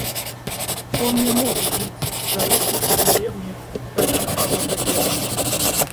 Он не мог жить, зарывшись в деревне, как она того хотела.